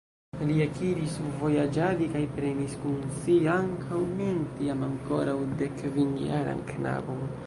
Li ekiris vojaĝadi kaj prenis kun si ankaŭ min, tiam ankoraŭ dekkvinjaran knabon.